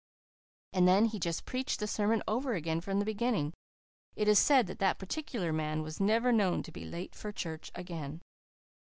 And then he just preached the sermon over again from the beginning. It is said that that particular man was never known to be late for church again."